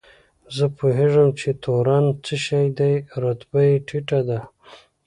زه پوهېږم چې تورن څه شی دی، رتبه یې ټیټه ده.